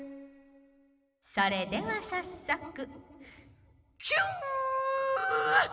「それではさっそくキュッ！」。